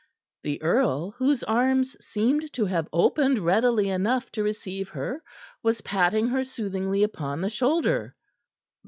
The earl, whose arms seemed to have opened readily enough to receive her, was patting her soothingly upon the shoulder.